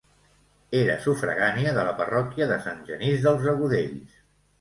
Era sufragània de la parròquia de Sant Genís dels Agudells.